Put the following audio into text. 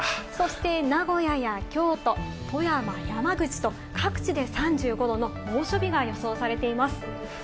そして名古屋や京都、富山、山口と各地で３５度の猛暑日が予想されています。